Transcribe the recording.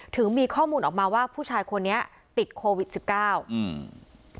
ถึงมีข้อมูลออกมาว่าผู้ชายคนนี้ติดโควิดสิบเก้าอืม